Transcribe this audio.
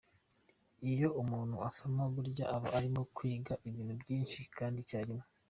Iyo umuntu asoma burya aba arimo kwiga ibintu byinshi kandi icyarimwe.